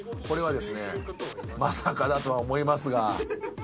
これはですねまさかだとは思いますが。